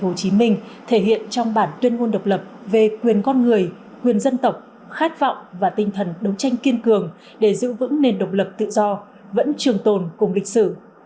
hồ chí minh thể hiện trong bản tuyên ngôn độc lập về quyền con người quyền dân tộc khát vọng và tinh thần đấu tranh kiên cường để giữ vững nền độc lập tự do vẫn trường tồn cùng lịch sử